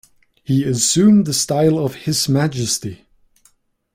He assumed the style of "His Majesty".